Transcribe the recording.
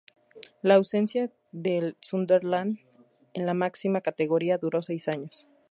La ausencia del Sunderland en la máxima categoría duró seis años.